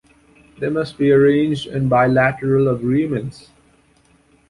They must instead be arranged in bilateral agreements.